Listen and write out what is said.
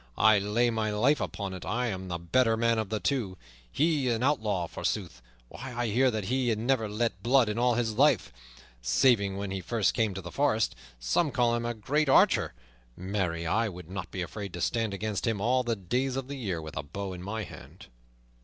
I lay my life upon it I am the better man of the two. He an outlaw, forsooth! Why, I hear that he hath never let blood in all his life, saving when he first came to the forest. Some call him a great archer; marry, I would not be afraid to stand against him all the days of the year with a bow in my hand."